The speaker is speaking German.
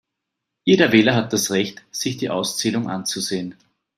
Jeder Wähler hat das Recht, sich die Auszählung anzusehen.